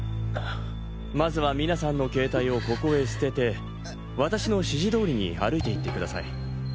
まずは皆さんの携帯をここへ捨てて私の指示通りに歩いて行って下さい。